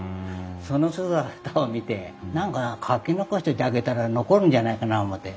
その姿を見て何か描き残しといてあげたら残るんじゃないかな思て。